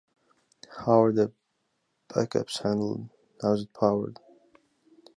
How are the backups handled? How is it powered?